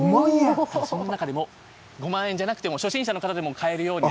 その中でも、５万円じゃなくても、初心者の方でも買えるように。